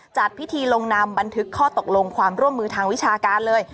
จัดพิธีลงนำบันทึกข้อตกลงความร่วมมือทางวิชาการเลย